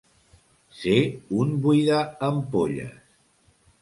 Ser un buidaampolles.